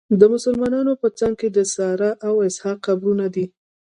د مسلمانانو په څنګ کې د ساره او اسحاق قبرونه دي.